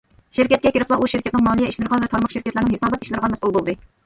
شىركەتكە كىرىپلا ئۇ شىركەتنىڭ مالىيە ئىشلىرىغا ۋە تارماق شىركەتلەرنىڭ ھېسابات ئىشلىرىغا مەسئۇل بولدى.